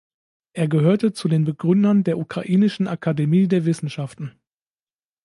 Er gehörte zu den Begründern der Ukrainischen Akademie der Wissenschaften.